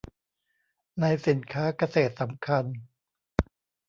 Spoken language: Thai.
ในสินค้าเกษตรสำคัญ